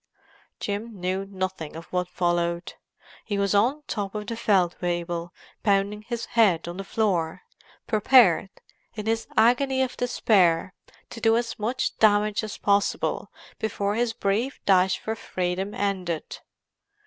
Jim knew nothing of what followed. He was on top of the Feldwebel, pounding his head on the floor; prepared, in his agony of despair, to do as much damage as possible before his brief dash for freedom ended.